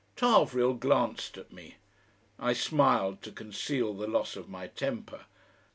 Tarvrille glanced at me. I smiled to conceal the loss of my temper.